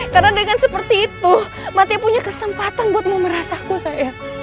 karena dengan seperti itu mateo punya kesempatan untuk memerasaku sayang